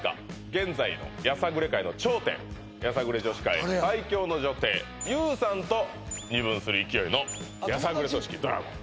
現在のやさぐれ界の頂点やさぐれ女子界最強の女帝ＹＯＵさんと二分する勢いのやさぐれ組織「ドラゴン」